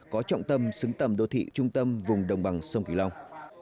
có trọng tâm xứng tầm đô thị trung tâm vùng đồng bằng sông kỳ long